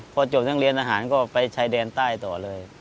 พอจบทั้งเรียนอาหารก็ไปชายแดนใต้ต่อเลย